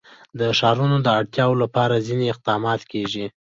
د ښارونو د اړتیاوو لپاره ځینې اقدامات کېږي.